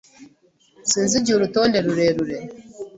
Sinzi igihe urutonde rurerure.